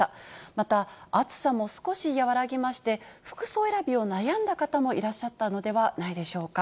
また、暑さも少し和らぎまして、服装選びを悩んだ方もいらっしゃったのではないでしょうか。